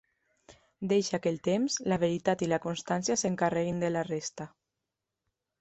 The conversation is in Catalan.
Deixa que el temps, la veritat i la constància s'encarreguin de la resta.